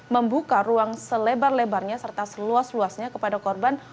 membuka ruang selebar lebarnya serta seluas luasnya kepada korban